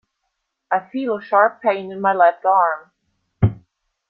I feel a sharp pain in my left arm.